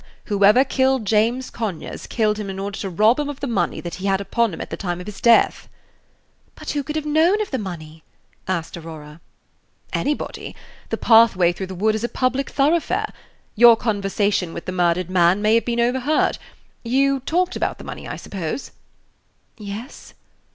"Whoever killed James Conyers, killed him in order to rob him of the money that he had upon him at the time of his death." "But who could have known of the money?" asked Aurora. "Anybody; the pathway through the wood is a public thoroughfare. Your conversation with the murdered man may have been overheard. You talked about the money, I suppose?" "Yes."